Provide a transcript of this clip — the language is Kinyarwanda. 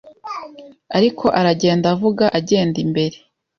Ariko aragenda avuga agenda imbere